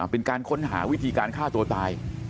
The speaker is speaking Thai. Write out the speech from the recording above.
เป็นการค้นหาวิธีการฆ่าตัวตาย